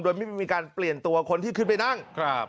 โดยไม่มีการเปลี่ยนตัวคนที่ขึ้นไปนั่งครับ